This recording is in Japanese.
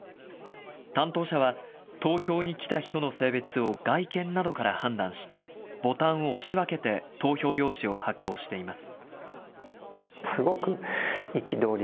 担当者は、投票に来た人の性別を外見などから判断し、ボタンを押し分けて投票用紙を発行しています。